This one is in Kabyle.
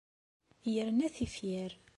Yerna tifyar.